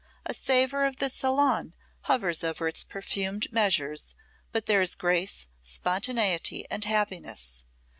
A savor of the salon hovers over its perfumed measures, but there is grace, spontaneity and happiness.